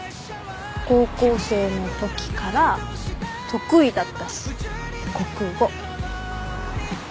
高校生のときから得意だったし国語。